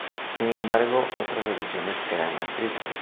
Sin embargo, otras revisiones eran más críticas.